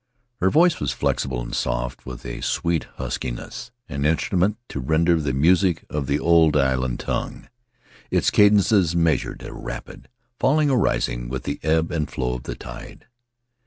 Her voice was flexible and soft with a sweet huskiness — an instrument to render the music of the old island tongue — its cadences measured or rapid, falling or rising with the ebb and flow of the tale.